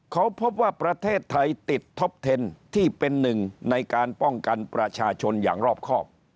เขาพบว่าประเทศไทยติดท็อปเทนที่เป็นหนึ่งในการป้องกันประชาชนอย่างรอบครอบ